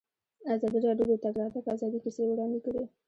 ازادي راډیو د د تګ راتګ ازادي کیسې وړاندې کړي.